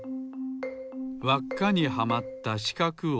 わっかにはまったしかくをおく。